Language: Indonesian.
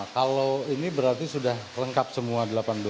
kalau ini berarti sudah lengkap semua delapan belas